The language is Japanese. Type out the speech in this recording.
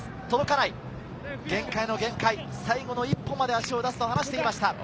届かない限界の限界、最後の一歩まで足を出すと話していました。